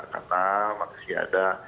karena masih ada